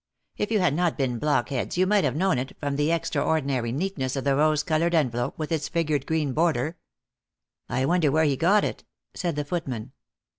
If you had not been blockheads, you might have known it, from the extraordinary neatness of the rose colored envelope, with its figured green border." THE ACTRESS IN HIGH LIFE. 309 " I wonder where he got it ?" said the footman.